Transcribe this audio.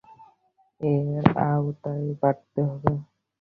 এর আওতা বাড়াতে হবে।